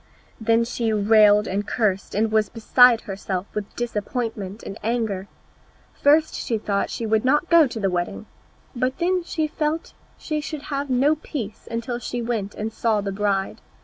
Then she railed and cursed, and was beside herself with disappointment and anger. First she thought she would not go to the wedding; but then she felt she should have no peace until she went and saw the bride.